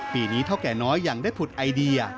ปีนี้เท่าแก่น้อยยังได้ผุดไอเดีย